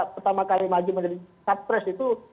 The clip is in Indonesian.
pertama kali maju menjadi capres itu